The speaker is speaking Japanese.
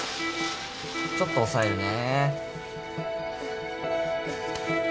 ちょっと押さえるね。